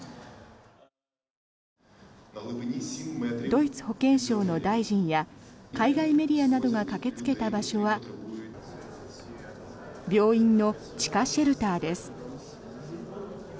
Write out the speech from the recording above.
ドイツ保健省の大臣や海外メディアなどが駆けつけた場所は病院の地下シェルターです。